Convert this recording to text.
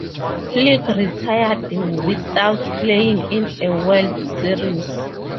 Flick retired without playing in a World Series.